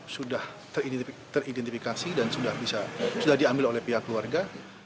tiga puluh satu sudah teridentifikasi dan sudah diambil oleh pihak keluarga